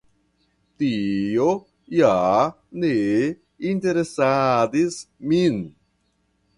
Tio ja ne interesadis min.